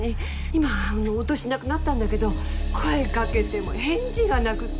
今はもう音しなくなったんだけど声かけても返事がなくて。